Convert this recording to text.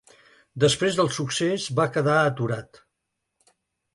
Després del succés va quedar aturat.